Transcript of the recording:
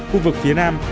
khu vực phía nam